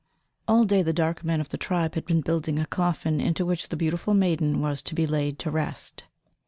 All day the dark men of the tribe had been building a coffin into which the beautiful maiden was to be laid to rest.